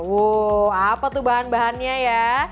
wow apa tuh bahan bahannya ya